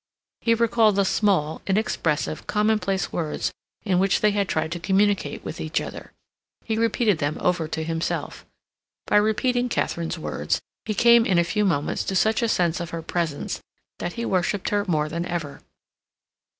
He recalled the small, inexpressive, commonplace words in which they had tried to communicate with each other; he repeated them over to himself. By repeating Katharine's words, he came in a few moments to such a sense of her presence that he worshipped her more than ever.